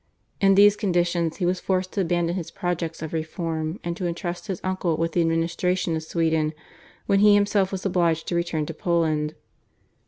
In these conditions he was forced to abandon his projects of reform, and to entrust his uncle with the administration of Sweden when he himself was obliged to return to Poland.